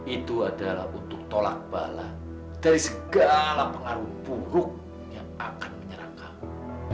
itu adalah untuk tolak bala dari segala pengaruh buruk yang akan menyerang kamu